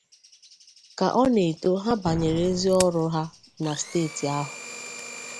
Ka ọ na-eto ha banyere ezi ọrụ ha na steeti ahụ